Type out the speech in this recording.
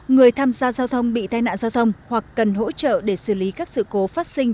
người tham gia giao thông bị tai nạn giao thông hoặc cần hỗ trợ để xử lý các sự cố phát sinh